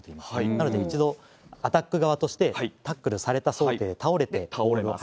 なので、一度アタック側として、タックルされた想定で倒れて。